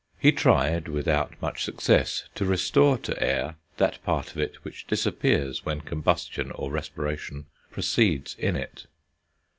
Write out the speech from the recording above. He tried, without much success, to restore to air that part of it which disappears when combustion, or respiration, proceeds in it.